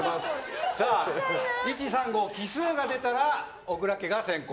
１、３、５奇数が出たら小倉家が先攻。